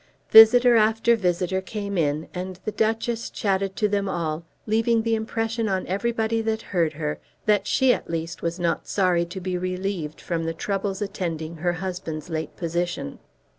Visitor after visitor came in, and the Duchess chatted to them all, leaving the impression on everybody that heard her that she at least was not sorry to be relieved from the troubles attending her husband's late position.